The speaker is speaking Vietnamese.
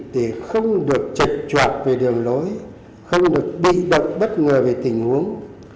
để không được chật chọc về đường lối không được bị động bất ngờ về tình huống